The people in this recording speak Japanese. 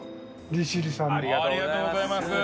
ありがとうございます！